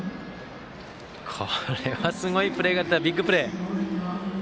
これはすごいプレーが出たビッグプレー。